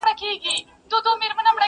په هر کور کي د طوطي کیسه توده وه٫